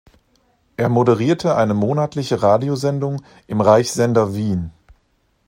Er moderierte eine monatliche Radiosendung im Reichssender Wien.